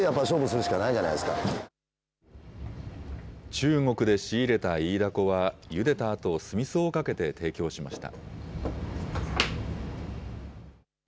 中国で仕入れたイイダコは、ゆでたあと、酢みそをかけて提供しました。